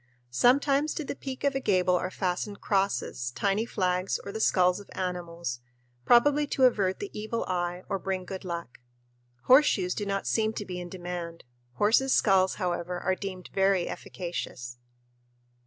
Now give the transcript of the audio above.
Sometimes to the peak of a gable are fastened crosses, tiny flags, or the skulls of animals probably to avert the Evil Eye or bring good luck. Horseshoes do not seem to be in demand. Horses' skulls, however, are deemed very efficacious.